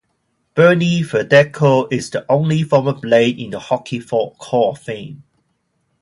Bernie Federko is the only former Blade in the Hockey Hall of Fame.